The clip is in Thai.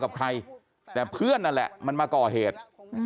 กับใครแต่เพื่อนนั่นแหละมันมาก่อเหตุ